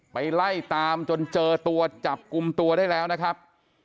ไปไล่ตามจนเจอตัวจับกลุ่มตัวได้แล้วนะครับ